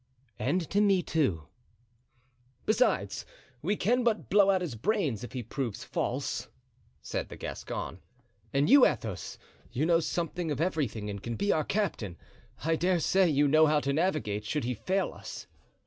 "And to me, too." "Besides, we can but blow out his brains if he proves false," said the Gascon; "and you, Athos, you know something of everything and can be our captain. I dare say you know how to navigate, should he fail us."